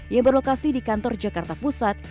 yang berlokasi di kantor jakarta pusat